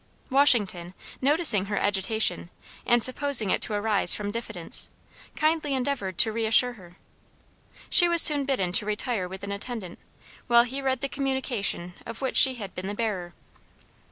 Washington, noticing her agitation, and supposing it to arise from diffidence, kindly endeavored to re assure her. She was soon bidden to retire with an attendant, while he read the communication of which she had been the bearer.